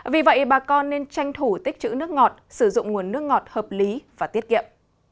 vì vậy bà con nên tranh thủ tích chữ nước ngọt sử dụng nguồn nước ngọt hợp lý và tiết kiệm